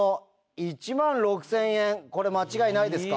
１万６０００円これ間違いないですか？